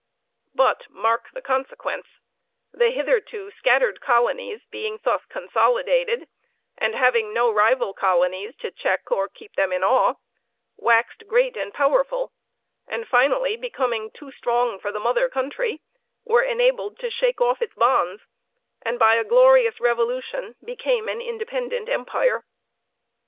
But mark the consequence: the hitherto scattered colonies being thus consolidated, and having no rival colonies to check or keep them in awe, waxed great and powerful, and finally becoming too strong for the mother country, were enabled to shake off its bonds, and by a glorious revolution became an independent empire.